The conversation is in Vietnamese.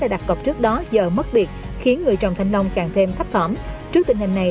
đặt cọc trước đó giờ mất biệt khiến người trồng thanh long càng thêm thấp thỏm trước tình hình này